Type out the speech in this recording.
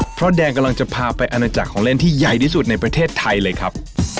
เพราะแดงกำลังจะพาไปอาณาจักรของเล่นที่ใหญ่ที่สุดในประเทศไทยเลยครับ